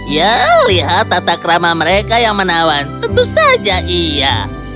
ya lihat tatakrama mereka yang menawan tentu saja iya